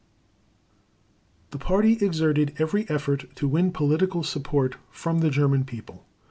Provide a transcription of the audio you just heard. The Party exerted every effort to win political support from the German People.